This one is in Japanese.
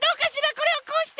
これをこうして。